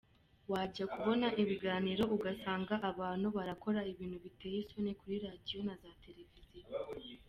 Wajya kubona ibiganiro ugasanga abantu barakora ibintu biteye isoni kuri radiyo na za televiziyo.